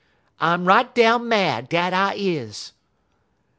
I'm right down mad, dat I is."